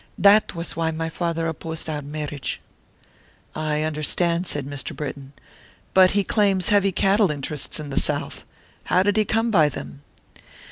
That was why my father opposed our marriage." "I understand," said Mr. Britton; "but he claims heavy cattle interests in the South; how did he come by them?"